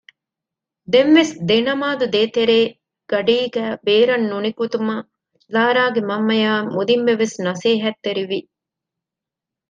ދެންވެސް ދެނަމާދު ދޭތެރެ ގަޑީގައި ބޭރަށް ނުނިކުތުމަށް ލާރާގެ މަންމަ އާއި މުދިންބެ ވެސް ނަސޭހަތްތެރިވި